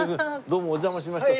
どうもお邪魔しました。